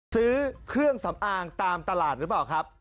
ซื้อเครื่องสำอางตามตลาดหรือเปล่าครับ